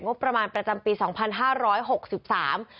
ประมาณประจำปีสองพันห้าร้อยหกสิบสาม